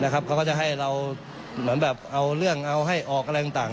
เขาก็จะให้เราเหมือนแบบเอาเรื่องเอาให้ออกอะไรต่าง